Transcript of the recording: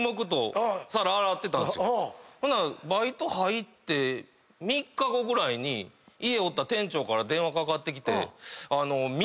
ほんならバイト入って３日後ぐらいに家おったら店長から電話かかってきて。